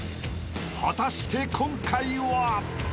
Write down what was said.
［果たして今回は？］